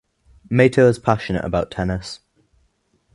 Mato is passionate about tennis.